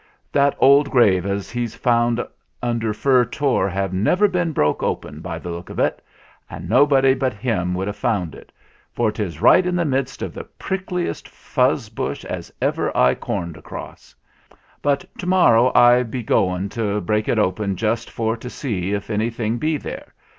That old grave as he've found under Fur Tor have never been broke open by the look of it, and nobody but him would have found it, for 'tis right in the midst of the prickliest fuzz bush as ever I corned across. But to morrow I be going to break it open just for to see if any thing be there.